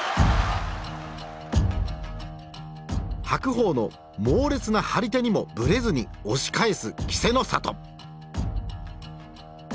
白鵬の猛烈な張り手にもぶれずに押し返す稀勢の里。